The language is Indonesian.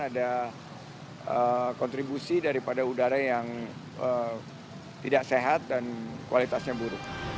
ada kontribusi daripada udara yang tidak sehat dan kualitasnya buruk